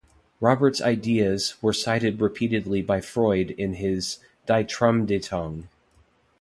Robert's ideas were cited repeatedly by Freud in his "Die Traumdeutung".